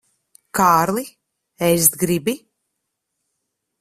Kārli, ēst gribi?